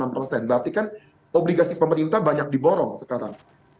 berarti kan obligasi pemerintah banyak diborong sekarang